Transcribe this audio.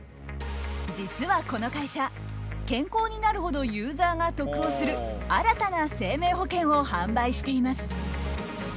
実はこの会社健康になるほどユーザーが得をする新たな生命保険を販売しています。